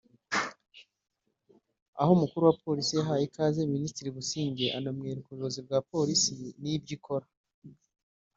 aho umukuru wa Polisi yahaye ikaze Minisitiri Busingye anamwereka ubuyobozi bwa Polisi n’ibyo ikora